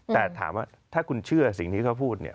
แต่ถามว่าถ้าคุณเชื่อสิ่งที่เขาพูดเนี่ย